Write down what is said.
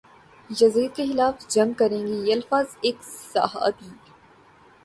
یزید کے خلاف جنگ کریں گے یہ الفاظ ایک صحابی